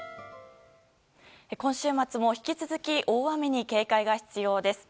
今週末も、引き続き大雨に警戒が必要です。